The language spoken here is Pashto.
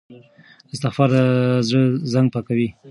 استغفار د زړه زنګ پاکوي.